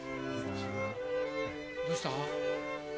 どうした？